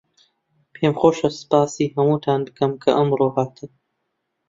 پێم خۆشە سپاسی هەمووتان بکەم کە ئەمڕۆ هاتن.